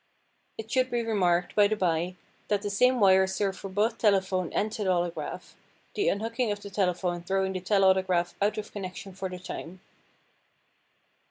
It should be remarked, by the bye, that the same wires serve for both telephone and telautograph, the unhooking of the telephone throwing the telautograph out of connection for the time.